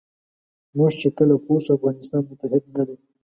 موږ چې کله پوه شو افغانستان متحد نه دی.